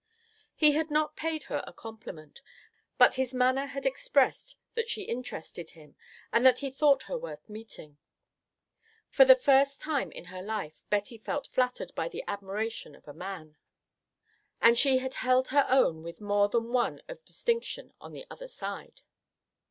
He had not paid her a compliment, but his manner had expressed that she interested him and that he thought her worth meeting. For the first time in her life Betty felt flattered by the admiration of a man; and she had held her own with more than one of distinction on the other side.